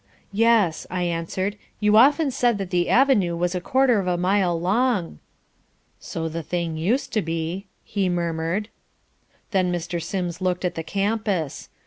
"Yes," I answered. "You often said that the avenue was a quarter of a mile long." "So the thing used to be," he murmured. Then Mr. Sims looked at the campus.